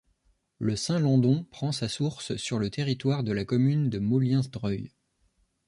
Le Saint-Landon prend sa source sur le territoire de la commune de Molliens-Dreuil.